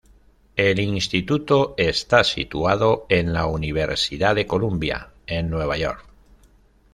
El instituto está situado en la Universidad de Columbia en Nueva York.